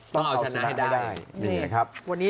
ต้องเอาชนะให้ได้